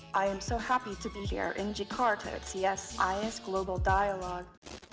saya sangat senang berada di jakarta di csis global dialog